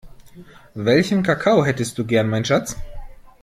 Welchen Kakao hättest du gern mein Schatz?